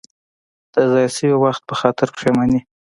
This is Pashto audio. د ضایع شوي وخت په خاطر پښېماني.